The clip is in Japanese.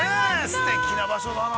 ◆すてきな場所だな。